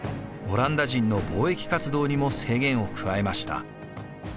オランダ人の貿易活動にも制限を加えました。